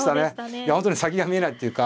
いや本当に先が見えないっていうか。